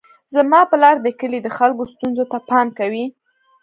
زما پلار د کلي د خلکو ستونزو ته پام کوي.